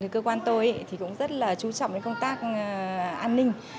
cơ quan tôi thì cũng rất là chú trọng đến công tác an ninh